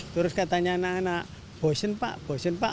terus katanya anak anak bosen pak bosen pak